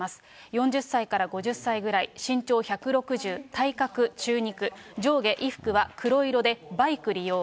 ４０歳から５０歳ぐらい、身長１６０、体格中肉、上下衣服は黒色で、バイク利用。